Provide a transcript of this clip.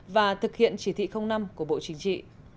và thực hiện chỉ thị năm của bộ chính trị